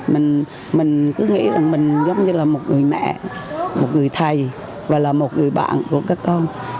mình cứ nghĩ rằng mình giống như là một người mẹ một người thầy và là một người bạn của các con